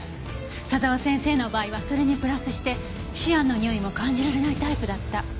佐沢先生の場合はそれにプラスしてシアンのにおいも感じられないタイプだった。